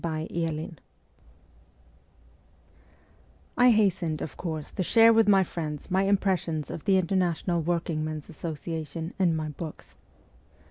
XIII I HASTENED, of course, to share with my friends my impressions of the International Workingmen's Associa tion and my books.